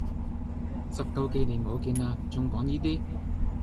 十九幾年冇見啦，仲講依啲